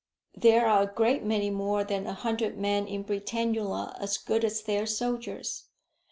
"There are a great many more than a hundred men in Britannula as good as their soldiers.